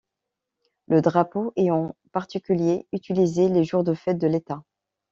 Le drapeau est en particulier utilisé les jours de fêtes de l'État.